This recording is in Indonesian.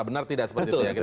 benar tidak seperti itu